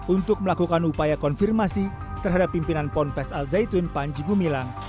untuk melakukan upaya konfirmasi terhadap pimpinan ponpes al zaitun panji gumilang